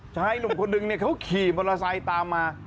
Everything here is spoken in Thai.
ชายหนุ่มคนหนึ่งเขาขี่มอเตอร์ไซค์ตามมา